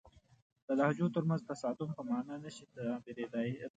د لهجو ترمنځ تصادم په معنا نه شي تعبیر کېدای.